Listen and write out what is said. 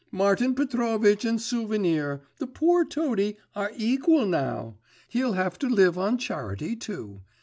Martin Petrovitch and Souvenir, the poor toady, are equal now. He'll have to live on charity too.